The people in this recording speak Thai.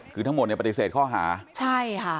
คือทั้งหมดเนี่ยปฏิเสธข้อหาใช่ค่ะ